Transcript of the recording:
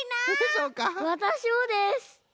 わたしもです！